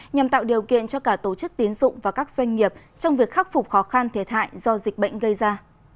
nhằm tạo điều kiện cho cả tổ chức tiến dụng và các doanh nghiệp trong việc khắc phục khó khăn thiệt hại do dịch bệnh gây ra